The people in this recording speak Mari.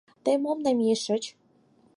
Тый мом намийышыч?